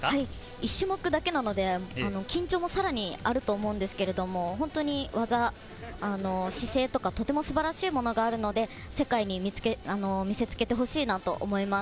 １種目だけなので緊張もさらにあると思うんですけれど、本当に技、姿勢とかとても素晴らしいものがあるので、世界に見せつけてほしいなと思います。